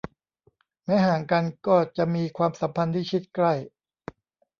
แม้ห่างกันก็จะมีความสัมพันธ์ที่ชิดใกล้